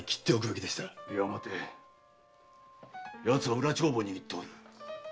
いや待て奴は裏帳簿を握っておる。